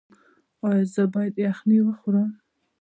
ایا زه باید یخني وخورم؟